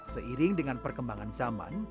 seiring dengan perkembangan zaman